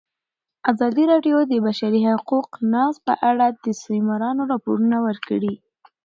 ازادي راډیو د د بشري حقونو نقض په اړه د سیمینارونو راپورونه ورکړي.